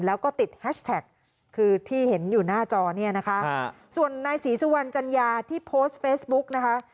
แล้วก็ติดแฮชแท็กคือที่เห็นอยู่หน้าจอเนี่ยนะคะส่วนนายศรีสุวรรณจัญญาที่โพสต์เฟซบุ๊กนะคะ